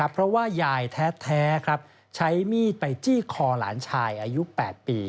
เพราะว่ายายแท้ใช้มีดไปจี้คอหลานชายอายุ๘ปี